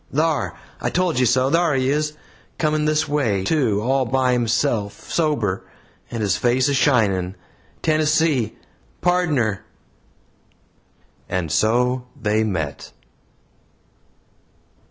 Thar I told you so! thar he is coming this way, too all by himself, sober, and his face a shining. Tennessee! Pardner!" And so they met.